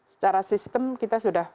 secara sistem kita sudah